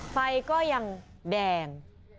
ไฟก็ยังแดง